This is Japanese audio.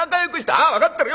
「ああ分かってるよ！